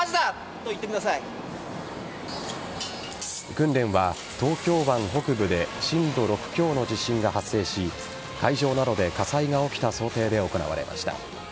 訓練は東京湾北部で震度６強の地震が発生し会場などで火災が起きた想定で行われました。